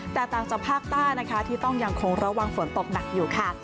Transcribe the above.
แต่ต่างจากภาคใต้นะคะที่ต้องยังคงระวังฝนตกหนักอยู่ค่ะ